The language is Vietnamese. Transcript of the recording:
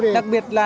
đặc biệt là